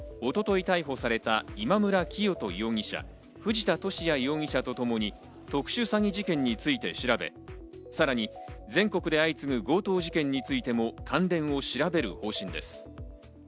警視庁は一昨日逮捕された今村磨人容疑者、藤田聖也容疑者とともに特殊詐欺事件について調べ、さらに全国で相次ぐ強盗事件についても関連を調べる方針です。